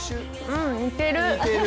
うん、似てる。